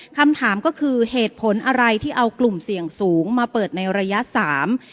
คำถามก็คือเหตุผลอะไรที่เอากลุ่มเสี่ยงสูงมาเปิดในระยะสาม